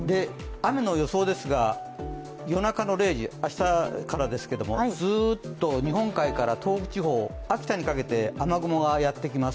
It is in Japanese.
雨の予想ですが夜中の０時、明日からですけれども、ずっと日本海から東北地方秋田にかけて雨雲がやってきます。